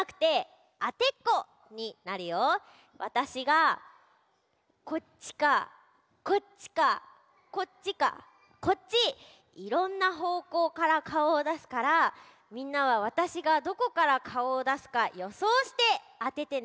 わたしがこっちかこっちかこっちかこっちいろんなほうこうからかおをだすからみんなはわたしがどこからかおをだすかよそうしてあててね。